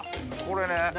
これね。